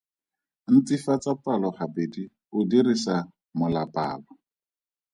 Ntsifatsa palo gabedi o dirisa molapalo.